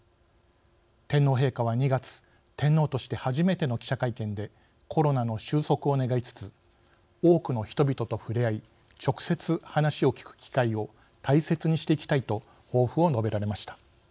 天皇陛下は２月天皇として初めての記者会見でコロナの収束を願いつつ「多くの人々と触れ合い直接話を聞く機会を大切にしていきたい」と抱負を述べられました。